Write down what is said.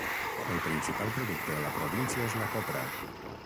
El principal producte de la província és la copra.